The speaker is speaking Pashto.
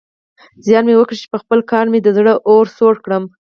زيار مې وکيښ چې پخپل کار مې د زړه اور سوړ کړ.